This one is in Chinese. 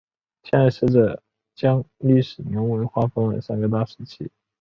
现代学者将历代铭文划分为三个大时期。